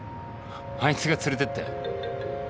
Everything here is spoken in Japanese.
あいつが連れてったよ。